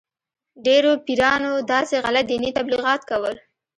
ډېرو پیرانو داسې غلط دیني تبلیغات کول.